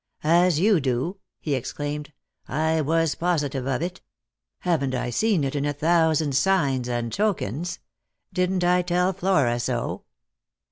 " As you do," he exclaimed. " I was positive of it. Haven't I seen it in a thousand signs and tokens? Didn't I tell Flora so?"